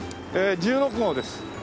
１６号です。